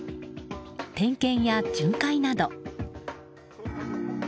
点検や巡回など。